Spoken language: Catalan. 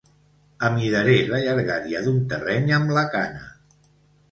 Amidaré la llargària d'un terreny amb la cana.